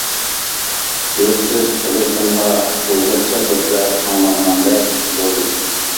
تۇيۇقسىز قۇلىقىمغا ئۇيغۇرچە گەپلەر ئاڭلانغاندەك بولدى.